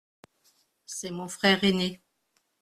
C’est mon frère ainé.